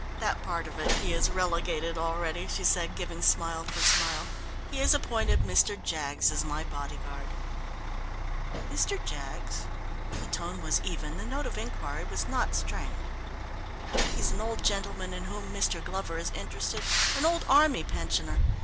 "That part of it he has relegated already," she said, giving smile for smile. "He has appointed Mr. Jaggs as my bodyguard." "Mr. Jaggs?" The tone was even, the note of inquiry was not strained. "He's an old gentleman in whom Mr. Glover is interested, an old army pensioner.